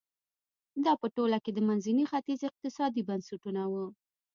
دا په ټوله کې د منځني ختیځ اقتصادي بنسټونه وو.